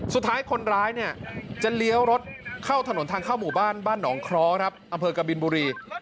สุดท้ายคนร้ายเนี่ยจะเลี้ยวรถเข้าถนนทางเข้าหมู่บ้านบ้านหนองคล้อครับอำเภอกบินบุรี